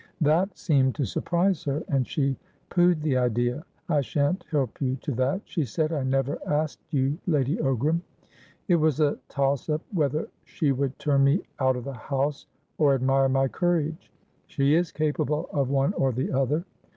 That seemed to surprise her, and she pooh'd the idea. 'I shan't help you to that,' she said. 'I never asked you, Lady Ogram!'It was a toss up whether she would turn me out of the house or admire my courage: she is capable of one or the other.